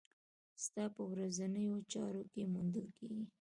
ستا په ورځنيو چارو کې موندل کېږي.